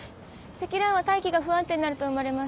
積乱雲は大気が不安定になると生まれます。